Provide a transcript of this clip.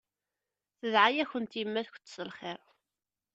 Tedɛa-yakent yemma-tkent s lxir.